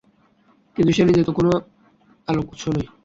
কিন্তু সে নিজে তো কোনো আলোক উৎস নয়।